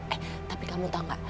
eh tapi kamu tau gak